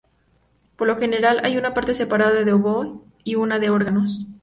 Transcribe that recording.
Por lo general, hay una parte separada de oboe y una de órganos.